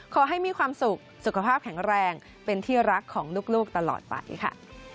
ขอให้มีความสุขสุขภาพแข็งแรงเป็นที่รักของลูกตลอดไปค่ะ